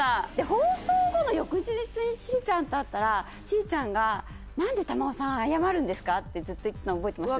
放送後の翌日にチリちゃんと会ったら、チリちゃんが、なんで珠緒さん、謝るんですか？ってずっと言ってたの覚えてます？